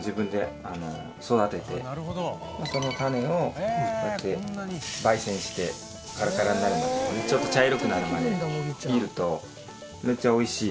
その種をこうやって焙煎してカラカラになるまでちょっと茶色くなるまで煎るとめっちゃ美味しい